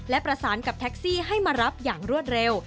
และประสานกับแท็กซี่ให้มารับอย่างรวดเร็ว